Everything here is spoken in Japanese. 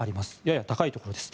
やや高いところです。